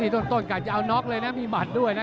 ต้นกะจะเอาน็อกเลยนะมีบัตรด้วยนะ